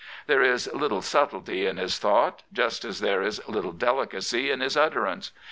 There is little subtlety in his thought, just as there is little delicacy in his utterance.